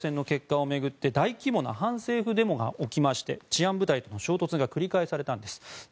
そんな中、去年大統領選の結果を巡って大規模な反政府デモが起きて治安部隊との衝突が繰り返されました。